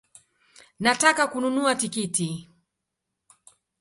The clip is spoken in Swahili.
Nataka kununua tikiti